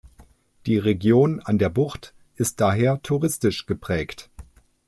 Die Region an der Bucht ist daher touristisch geprägt.